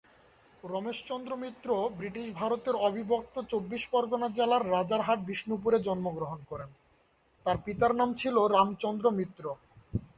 Ramesh Chandra Mitra British ভারতের অবিভক্ত চব্বিশ পরগনা জেলার রাজারহাট-বিষ্ণুপুরে জন্মগ্রহণ করেন, তার পিতার নাম ছিল রামচন্দ্র মিত্র।